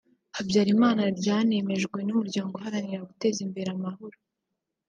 Habyarimana ryanemejwe n’Umuryango Uharanira guteza imbere amahoro